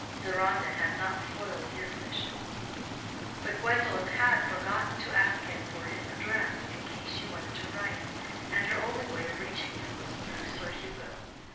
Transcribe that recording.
Deronda had not spoiled his mission. But Gwendolen had forgotten to ask him for his address in case she wanted to write, and her only way of reaching him was through Sir Hugo.